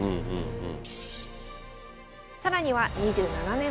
うん。